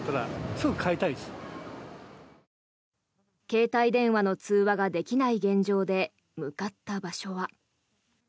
携帯電話の通話ができない現状で向かった場所は。